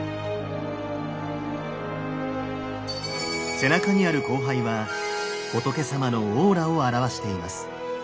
背中にある「光背」は仏さまのオーラを表しています。